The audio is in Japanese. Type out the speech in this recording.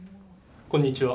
こんにちは。